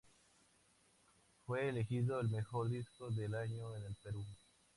Fue elegido el mejor disco del año en el Perú.